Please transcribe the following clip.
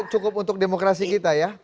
cukup untuk demokrasi kita ya